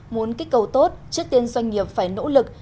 muốn kích cầu tốt trước tiên doanh nghiệp phải nỗ lực